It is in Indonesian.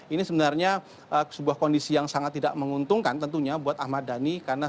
ini sebenarnya sebuah kondisi yang sangat tidak menguntungkan tentunya buat ahmad dhani karena